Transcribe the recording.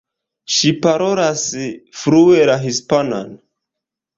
Ŝi parolas flue la hispanan.